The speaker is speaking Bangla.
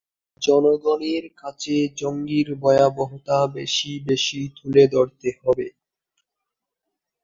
জনগণের কাছে জঙ্গির ভয়াবহতা বেশি বেশি তুলে ধরতে হবে।